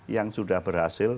yang sudah berhasil